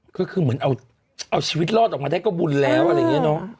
ก็คือเหมือนเอาชีวิตรอดออกมาได้ก็บุญแล้วอะไรอย่างนี้เนอะ